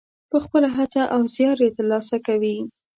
په خپله هڅه او زیار یې ترلاسه کوي.